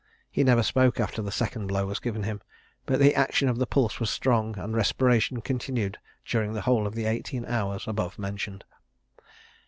He never spoke after the second blow was given him, but the action of the pulse was strong, and respiration continued during the whole of the eighteen hours above mentioned.